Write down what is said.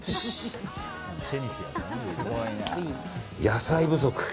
野菜不足。